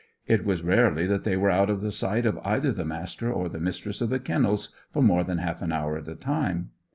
It was rarely that they were out of the sight of either the Master or the Mistress of the Kennels for more than half an hour at a time.